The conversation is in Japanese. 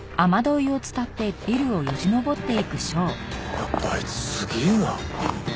やっぱあいつすげえな。